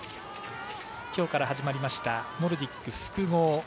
きょうから始まりましたノルディック複合。